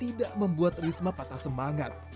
tidak membuat risma patah semangat